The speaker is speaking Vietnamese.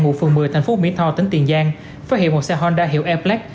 ngụ phường một mươi thành phố mỹ tho tỉnh tiền giang phát hiện một xe honda hiệu air black